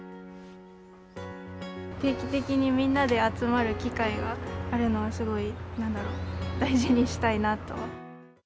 定期的にみんなで集まる機会があるのは、すごいなんだろう、大事にしたいなと。